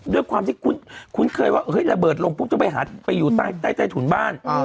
ด้วยความที่คุ้นเคยว่าระเบิดลงปุ๊บต้องไปหาไปอยู่ใต้ถุนบ้าน